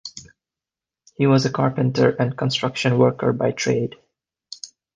He was a carpenter and construction worker by trade.